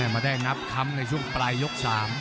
มาได้นับคำในช่วงปลายยก๓